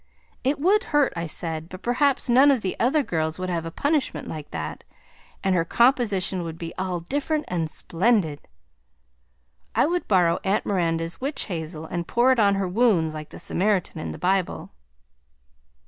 It would hurt, I said, but perhaps none of the other girls would have a punishment like that, and her composition would be all different and splendid. I would borrow Aunt Miranda's witchhayzel and pour it on her wounds like the Samaritan in the Bible.